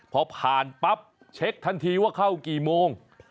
พอผ่านปั๊บเช็คทันทีว่าเข้ากี่โมง